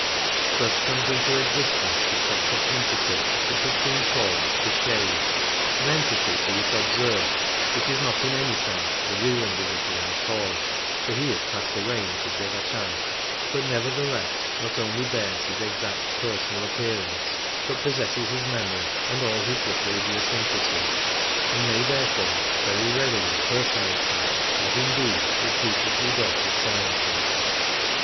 Thus comes into existence the class of entity which has been called The Shade "— an entity, be it observed, which is not in any sense the real individual at all (for he has passed away into Devachan), but nevertheless, not only bears his exact personal appearance, but possesses his memory and all his little idiosyncrasies, and may, therefore, very readily* personate him, as indeed it frequently does at seances.